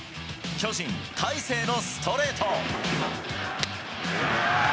巨人、大勢のストレート。